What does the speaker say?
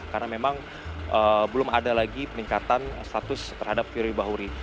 karena memang belum ada lagi peningkatan status terhadap firly bahuri